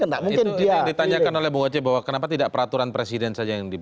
itu yang ditanyakan oleh bung oce bahwa kenapa tidak peraturan presiden saja yang dibuat